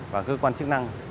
và cơ quan chức năng